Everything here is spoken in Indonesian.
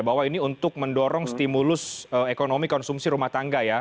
bahwa ini untuk mendorong stimulus ekonomi konsumsi rumah tangga ya